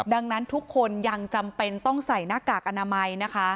ดังนั้นทุกคนยังจำเป็นต้องใส่หน้ากากอนามัยนะคะ